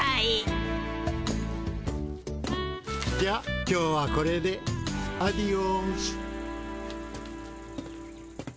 じゃ今日はこれで。アディオス！